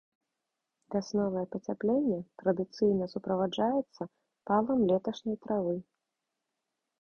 Вясновае пацяпленне традыцыйна суправаджаецца палам леташняй травы.